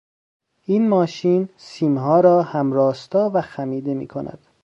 این ماشین سیمها را هم راستا و خمیده میکند.